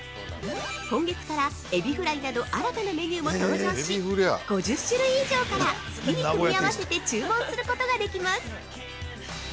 ◆今月から、エビフライなど新たなメニューも登場し、５０種類以上から好きに組み合わせて注文することができます！